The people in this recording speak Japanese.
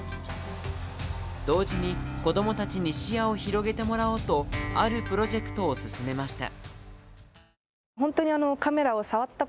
同時に、子供たちに視野を広げてもらおうと、あるプロジェクトを進めました。